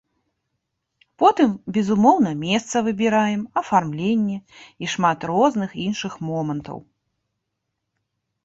Потым, безумоўна, месца выбіраем, афармленне і шмат розных іншых момантаў.